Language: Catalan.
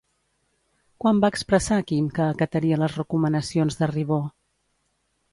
Quan va expressar Quim que acataria les recomanacions de Ribó?